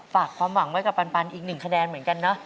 ฝากความหวังไว้กับปันอีกหนึ่งคะแนนเหมือนกันนะ